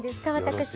私。